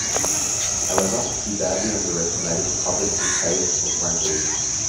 However, he badly underestimated the public's distaste for Francoism.